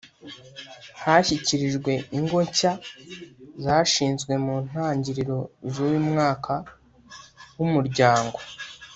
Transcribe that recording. hashyikirijwe ingo nshya (zashinzwe mu ntangiriro z’uyu mwaka wa umuryango